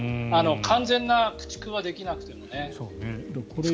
完全な駆逐はできなくてもね。